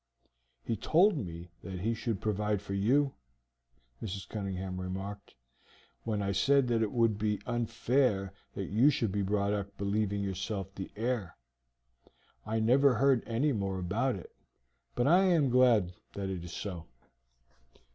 "He told me that he should provide for you," Mrs. Cunningham remarked, "when I said that it would be unfair that you should be brought up believing yourself the heir. I never heard any more about it, but I am glad that it is so."